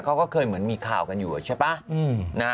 เขาก็เคยเหมือนมีข่าวกันอยู่ใช่ป่ะ